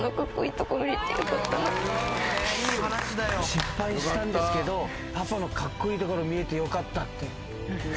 失敗したんですけどパパのカッコイイところ見れてよかったって。